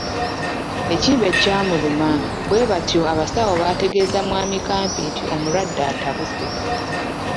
Ekimbe ky’amuluma bwe batyo abasawo baategeeza mwami Kampi nti omulwadde atabuse.